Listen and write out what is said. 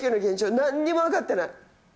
なんにもわかってない。